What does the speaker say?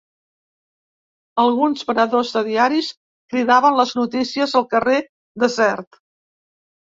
Alguns venedors de diaris cridaven les notícies al carrer desert